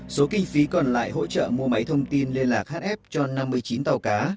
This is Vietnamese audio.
số kinh phí còn lại hỗ trợ mua máy thông tin liên lạc hf cho năm mươi chín tàu cá